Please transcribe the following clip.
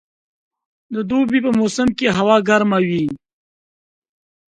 د دوبي په موسم کښي هوا ګرمه وي.